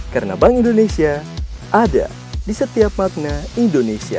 karena bank indonesia ada di setiap makna indonesia